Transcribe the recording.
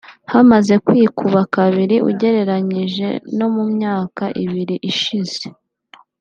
hamaze kwikuba kabiri ugereranyije no mu myaka ibiri ishize